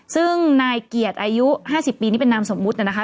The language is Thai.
ซึ่งนายเกียรติอายุ๕๐ปีนี่เป็นนามสมมุตินะคะ